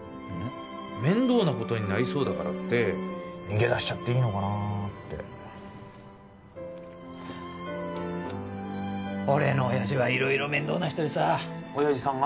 面倒なことになりそうだからって逃げ出しちゃっていいのかなって俺の親父は色々面倒な人でさあ親父さんが？